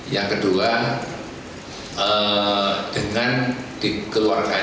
yang kedua dengan dikeluarkan